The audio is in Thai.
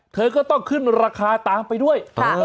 เธอก็ต้องขึ้นราคาตามไปด้วย